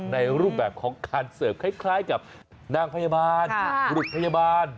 ในรูปแบบของการเสิร์ฟคล้ายกับนางพยาบาลบุรุษพยาบาล